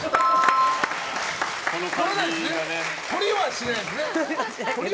とりはしないですね。